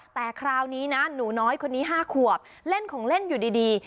แต่คราวนี้นะหนูน้อยคนนี้๕ขวบเล่นของเล่นอยู่ดี